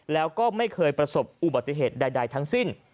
แล้วก็ไม่เคยประสบอุบัติเหตุใดทั้งสิ้น